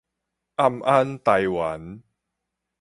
暗安台灣